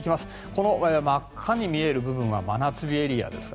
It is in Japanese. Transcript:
この真っ赤に見える部分は真夏日エリアです。